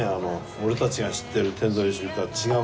俺たちが知ってる天童よしみとは違う